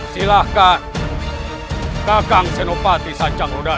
silahkan kakang senopati sancang ruda